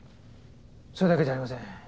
それだけじゃありません。